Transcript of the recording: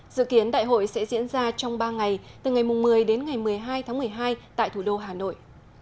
dự kiến đại hội sẽ diễn ra trong ba ngày từ ngày một mươi đến ngày một mươi hai tháng một mươi hai tại thủ đô hà nội